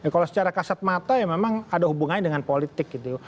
kalau secara kasat mata ya memang ada hubungannya dengan politik gitu